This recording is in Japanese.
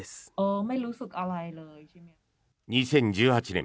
２０１８年